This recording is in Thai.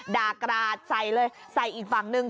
กราดใส่เลยใส่อีกฝั่งนึง